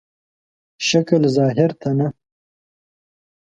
شکل ظاهر ته نه.